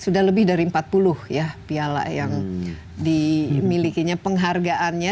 sudah lebih dari empat puluh ya piala yang dimilikinya penghargaannya